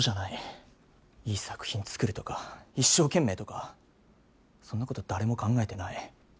いい作品つくるとか一生懸命とかそんなこと誰も考えてない。